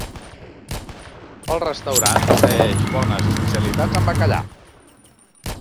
El restaurant posseeix bones especialitats en bacallà.